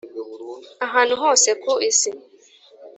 ahantu hose ku isi.